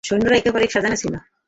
সৈন্যরা একের পর এক সাজানো ছিল।